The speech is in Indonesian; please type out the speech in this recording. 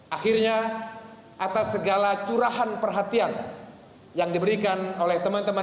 akhirnya atas segala curahan perhatian yang diberikan oleh teman teman